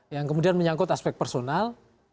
yang kemudian menyangkut aspek personal